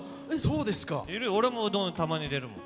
俺もうどんたまに入れるもん。